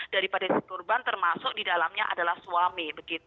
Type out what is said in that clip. daripada di kurban termasuk di dalamnya adalah suami